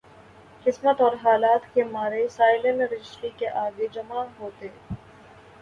قسمت اور حالات کے مارے سائلین رجسٹری کے سامنے جمع ہوتے۔